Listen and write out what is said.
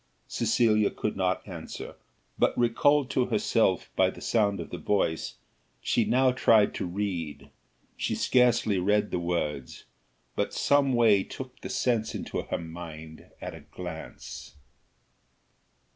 Cecilia could not answer, but recalled to herself by the sound of the voice, she now tried to read she scarcely read the words, but some way took the sense into her mind at a glance.